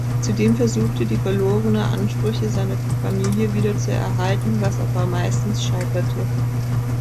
Zudem versuchte die verlorene Ansprüche seiner Familie wieder zu erhalten, was aber meistens scheiterte.